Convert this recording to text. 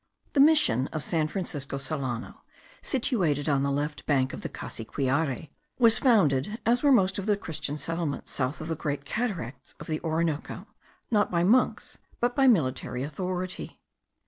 The mission of San Francisco Solano, situated on the left bank of the Cassiquiare, was founded, as were most of the Christian settlements south of the Great Cataracts of the Orinoco, not by monks, but by military authority.